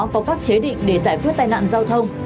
có các chế định để giải quyết tai nạn giao thông